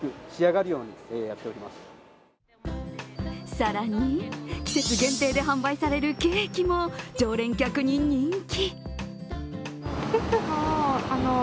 更に季節限定で販売されるケーキも常連客に人気。